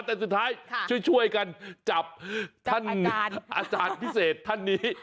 แต่สุดท้ายช่วยกันจับท่านอาจารย์พิเศษท่านนี้